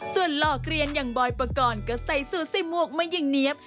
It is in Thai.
ส่วนหล่อเกลียนอย่างบอยปกรณ์ก็ใส่สูตรใส่หมวกมาอย่างเนี๊ยบ